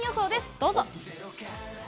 どうぞ。